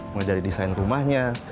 mulai dari desain rumahnya